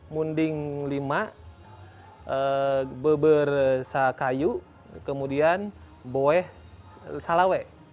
munding lima bebersa kayu kemudian boeh salawe